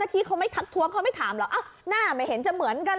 ที่เขาไม่ทักท้วงเขาไม่ถามหรอกหน้าไม่เห็นจะเหมือนกันเห